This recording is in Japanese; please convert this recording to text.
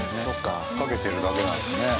引っ掛けてるだけなんですね。